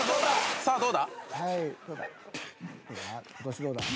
「さあどうだ？」